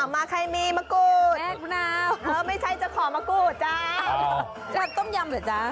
มาใครมีมะกูดไม่ใช่จะขอมะกูดจ๊ะจ๊ะต้มยำเหรอจ๊ะ